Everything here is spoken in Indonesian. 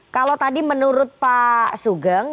kalau tadi menurut pak sugeng